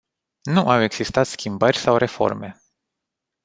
Nu au existat schimbări sau reforme.